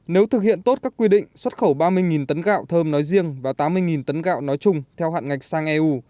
nếu thực hiện tốt các quy định xuất khẩu ba mươi tấn gạo thơm nói riêng và tám mươi tấn gạo nói chung theo hạn ngạch sang eu